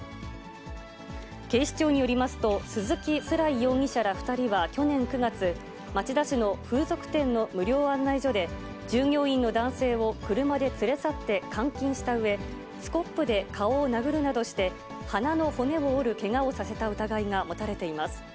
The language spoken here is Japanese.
警視庁によりますと、鈴木寿來容疑者ら２人は去年９月、町田市の風俗店の無料案内所で従業員の男性を車で連れ去って監禁したうえ、スコップで顔を殴るなどして、鼻の骨を折るけがをさせた疑いが持たれています。